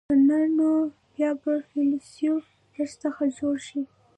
که نه نو بیا به فیلسوف در څخه جوړ شي.